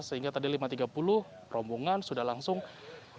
sehingga tadi lima tiga puluh rombongan sudah langsung